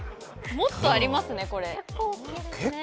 もっとありますね。